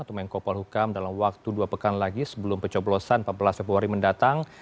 atau mengkopal hukum dalam waktu dua pekan lagi sebelum pecoh belosan empat belas februari mendatang